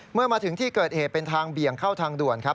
เมื่อมาถึงที่เกิดเหตุเป็นทางเบี่ยงเข้าทางด่วนครับ